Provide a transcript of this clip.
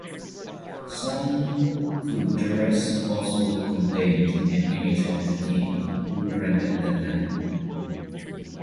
Some kudurrus also contained an image of the king who granted the land.